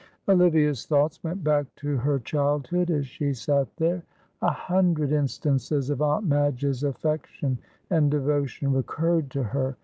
Olivia's thoughts went back to her childhood as she sat there. A hundred instances of Aunt Madge's affection and devotion recurred to her.